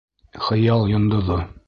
Хыял йондоҙо